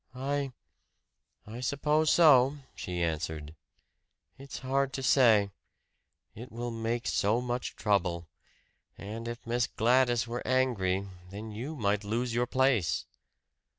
"I I suppose so," she answered. "It's hard to say it will make so much trouble. And if Miss Gladys were angry, then you might lose your place!"